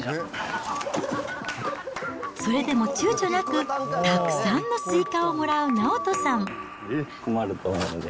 それでもちゅうちょなくたくさんのスイカをもらう直人さん。